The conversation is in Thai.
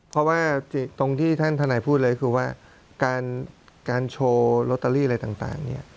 เพราะว่าตรงที่ท่านทนายพูดเลยคือว่าการโชว์ลอตเตอรี่อะไรต่างเนี่ย